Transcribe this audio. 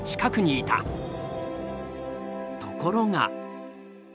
ところが。